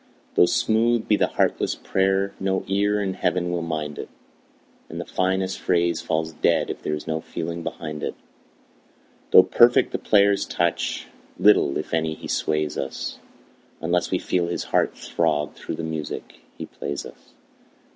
Though smooth be the heartless prayer, no ear in Heaven will mind it, And the finest phrase falls dead if there is no feeling behind it. Though perfect the player's touch, little, if any, he sways us, Unless we feel his heart throb through the music he plays us.